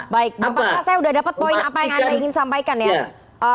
baik bapak saya sudah dapat poin apa yang anda ingin sampaikan ya